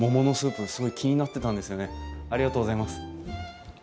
ありがとうございます。